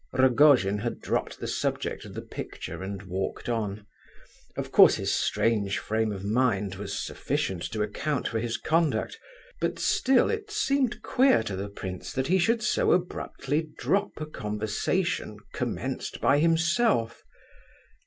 Rogojin had dropped the subject of the picture and walked on. Of course his strange frame of mind was sufficient to account for his conduct; but, still, it seemed queer to the prince that he should so abruptly drop a conversation commenced by himself.